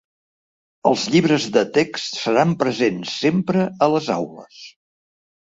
Els llibres de text seran presents sempre a les aules.